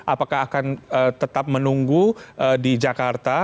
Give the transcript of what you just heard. apakah akan tetap menunggu di jakarta